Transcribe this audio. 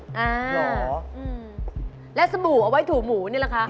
เหรอแล้วสบู่เอาไว้ถูหมูนี่แหละคะ